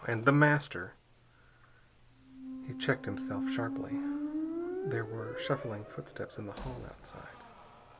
And The Master "He checked himself sharply. There were shuffling footsteps in the hall outside.